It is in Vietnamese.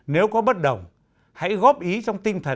nếu có bất đồng hãy góp ý trong tin tức